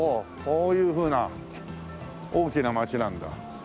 こういうふうな大きな街なんだ。ねえ。